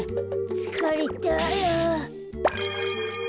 つかれたあ。